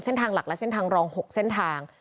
หลักและเส้นทางรอง๖เส้นทาง